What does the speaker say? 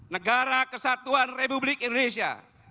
negara kesatuan republik indonesia